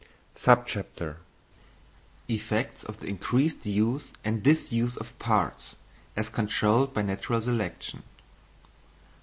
_Effects of the increased Use and Disuse of Parts, as controlled by Natural Selection.